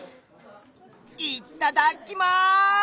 いっただっきます！